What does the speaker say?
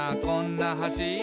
こんな橋」